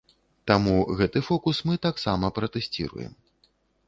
Таму гэты фокус мы таксама пратэсціруем.